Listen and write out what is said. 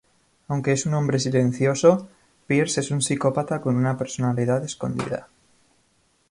Aunque es un hombre silencioso, Pierce es un psicópata con una personalidad escondida.